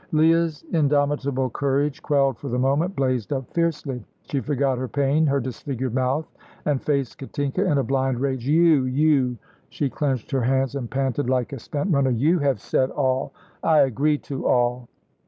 Leah's indomitable courage, quelled for the moment, blazed up fiercely. She forgot her pain, her disfigured mouth, and faced Katinka in a blind rage. "You you " she clenched her hands, and panted like a spent runner. "You have said all; I agree to all."